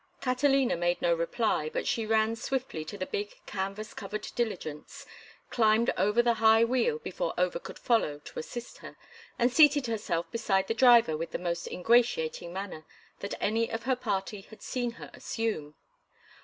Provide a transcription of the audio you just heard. Catalina made no reply, but she ran swiftly to the big, canvas covered diligence, climbed over the high wheel before Over could follow to assist her, and seated herself beside the driver with the most ingratiating manner that any of her party had seen her assume.